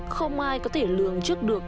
không ai có thể lường trước được